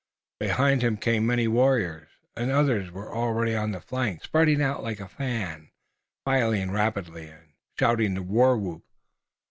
Behind him came many warriors, and others were already on the flanks, spreading out like a fan, filing rapidly and shouting the war whoop.